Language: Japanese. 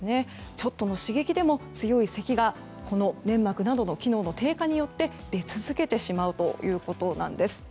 ちょっとの刺激でも強いせきが粘膜などの機能の低下によって出続けてしまうということなんです。